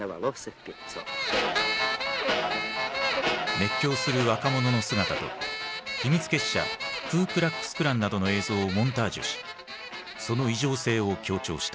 熱狂する若者の姿と秘密結社クー・クラックス・クランなどの映像をモンタージュしその異常性を強調した。